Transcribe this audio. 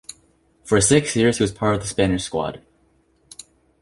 For six years he was part of the Spanish squad.